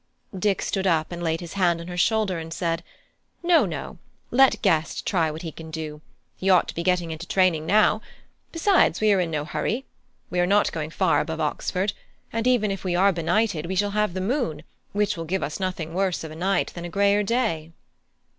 Dick stood up and laid his hand on her shoulder, and said: "No, no; let Guest try what he can do he ought to be getting into training now. Besides, we are in no hurry: we are not going far above Oxford; and even if we are benighted, we shall have the moon, which will give us nothing worse of a night than a greyer day."